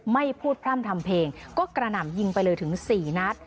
ไม่พูดพร่ำทำเพลงก็กระหน่ำยิงไปเลยถึง๔นัด